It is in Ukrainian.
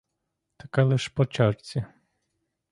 Таке лиш по чарці!